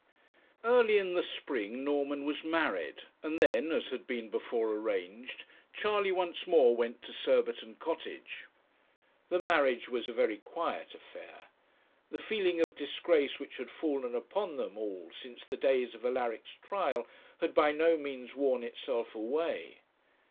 Early in the spring Norman was married; and then, as had been before arranged, Charley once more went to Surbiton Cottage. The marriage was a very quiet affair. The feeling of disgrace which had fallen upon them all since the days of Alaric's trial had by no means worn itself away.